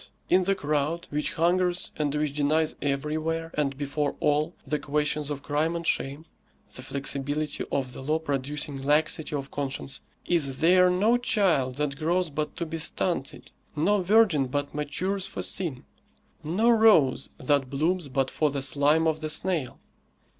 in the crowd which hungers and which denies everywhere, and before all, the questions of crime and shame (the inflexibility of the law producing laxity of conscience), is there no child that grows but to be stunted, no virgin but matures for sin, no rose that blooms but for the slime of the snail?